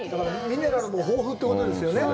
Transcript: ミネラルも豊富ということですね。